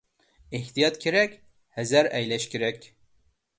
ئېھتىيات كېرەك! ھەزەر ئەيلەش كېرەك!